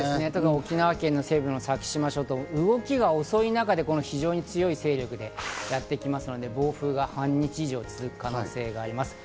沖縄県西部の先島諸島、動きが遅い中で非常に強い勢力でやってくるので、暴風雨が半日以上続く可能性があります。